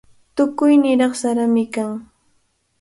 Tukuy niraq sarami kan.